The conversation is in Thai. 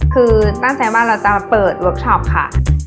คือตั้งใจว่าเราจะเปิดเวิร์คชอปค่ะ